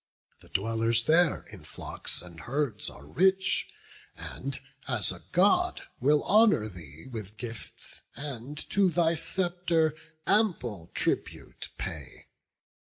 The dwellers there in flocks and herds are rich, And, as a God, will honour thee with gifts, And to thy sceptre ample tribute pay.